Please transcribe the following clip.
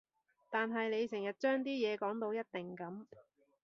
但係你成日將啲嘢講到一定噉